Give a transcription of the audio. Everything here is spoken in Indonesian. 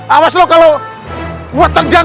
awas lo kalo buat tenjang